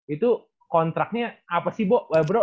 itu kontraknya apa sih bu